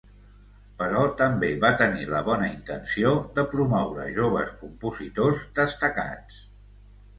Però també va tenir la bona intenció de promoure joves compositors destacats.